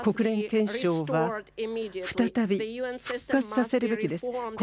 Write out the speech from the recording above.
国連憲章は再び復活させるべきです。